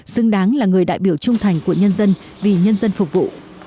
xứng đáng là người đại biểu trung thành của nhân dân vì nhân dân phục vụ